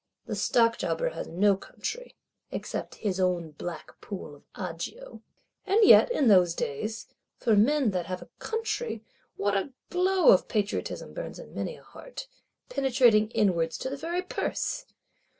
The Stockjobber has no country, except his own black pool of Agio. And yet, in those days, for men that have a country, what a glow of patriotism burns in many a heart; penetrating inwards to the very purse!